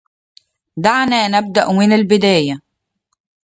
دعنا نبداً من البداية.